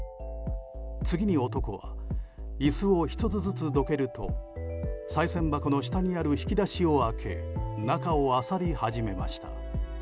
次に男は椅子を１つずつどけるとさい銭箱の下にある引き出しを開け中をあさり始めました。